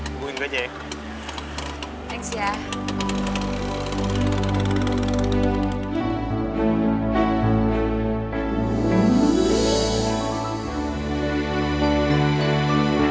hubungin gue aja ya